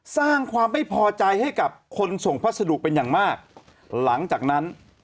สร้างความไม่พอใจให้กับคนส่งพัสดุเป็นอย่างมากหลังจากนั้น